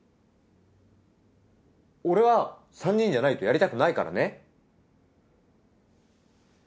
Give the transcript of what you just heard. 俺は３人じゃないとやりたくないからね